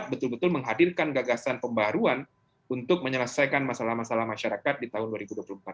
betul betul menghadirkan gagasan pembaruan untuk menyelesaikan masalah masalah masyarakat di tahun dua ribu dua puluh empat